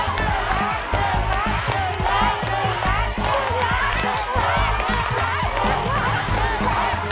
รอขาแล้ว